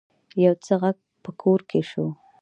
يو څه غږ په کور کې شو.